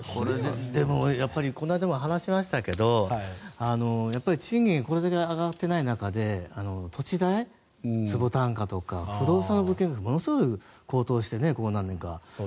でもやっぱりこの間も話しましたけどやっぱり賃金がこれだけ上がっていない中で土地代、坪単価とか不動産物件がものすごい高騰して。